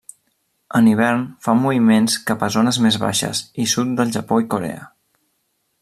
En hivern fa moviments cap a zones més baixes i sud del Japó i Corea.